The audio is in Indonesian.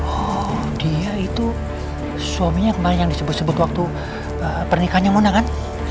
oh dia itu suaminya kemarin yang disebut sebut waktu pernikahannya mona kan